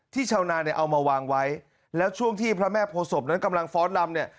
ชาวนาเนี่ยเอามาวางไว้แล้วช่วงที่พระแม่โพศพนั้นกำลังฟ้อนลำเนี่ย